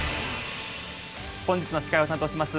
本日の司会を担当します